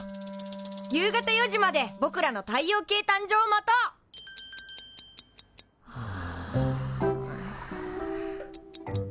夕方４時までぼくらの太陽系誕生を待とう。